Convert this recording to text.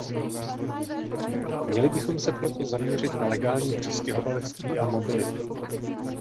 Měli bychom se proto zaměřit na legální přistěhovalectví a mobilitu.